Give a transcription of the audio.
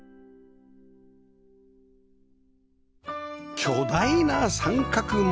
巨大な三角窓